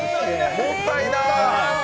もったいな！